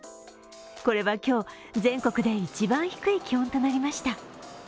これは今日、全国で一番低い気温となりました。